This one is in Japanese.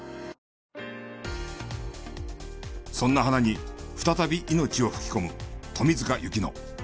そんな花に再び命を吹き込む冨塚由希乃。